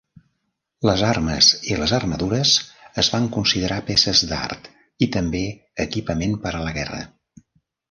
Les armes i les armadures es van considerar peces d"art i també equipament per a la guerra.